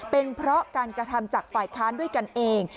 เป็นเพราะการกระทำจากฝ่ายค้านด้วยกันเอง